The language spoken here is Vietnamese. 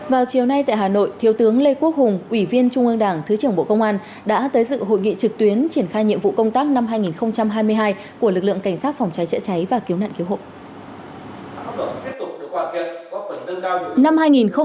vào chiều nay tại hà nội thiếu tướng lê quốc hùng ủy viên trung ương đảng thứ trưởng bộ công an đã tới dự hội nghị trực tuyến triển khai nhiệm vụ công tác năm hai nghìn hai mươi hai của lực lượng cảnh sát phòng cháy chữa cháy và cứu nạn cứu hộ